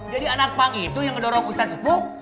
jadi anak pang itu yang ngedorong ustadz sepuh